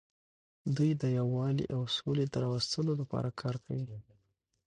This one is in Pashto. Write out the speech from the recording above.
دوی د یووالي او سولې د راوستلو لپاره کار کوي.